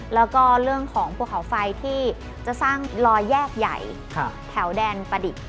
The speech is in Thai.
แล้วก็เรื่องของภูเขาไฟที่จะสร้างรอยแยกใหญ่แถวแดนประดิษฐ์